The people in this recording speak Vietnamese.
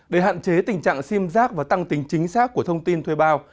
để hạn chế tình trạng sim giác và tăng tính chính xác của thông tin thuê bao